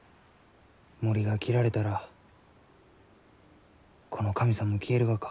森が切られたらこの神さんも消えるがか？